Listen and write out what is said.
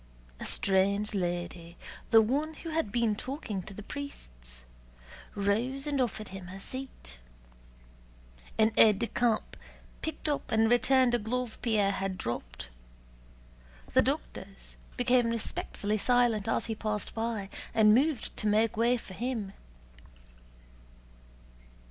A strange lady, the one who had been talking to the priests, rose and offered him her seat; an aide de camp picked up and returned a glove Pierre had dropped; the doctors became respectfully silent as he passed by, and moved to make way for him.